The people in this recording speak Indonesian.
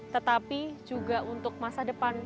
tetapi juga untuk masa depan